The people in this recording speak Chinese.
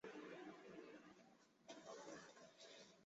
有空前绝后的支配领域之大元大蒙古国再次统一了中国汉地。